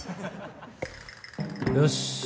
よし！